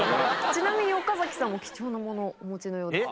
ちなみに岡崎さんも貴重なものお持ちのようですが。